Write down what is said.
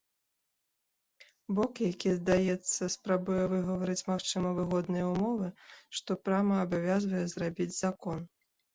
Бок, які здаецца, спрабуе выгаварыць магчыма выгодныя ўмовы, што прама абавязвае зрабіць закон.